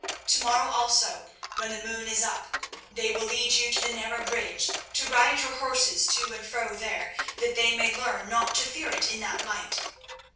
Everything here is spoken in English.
To morrow, also, when the moon is up, they will lead you to the narrow bridge, to ride your horses to and fro there, that they may learn not to fear it in that light.